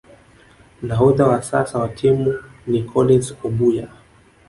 Nahodha wa sasa wa timu ni Collins Obuya